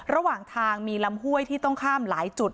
ระหว่างทางมีลำห้วยที่ต้องข้ามหลายจุด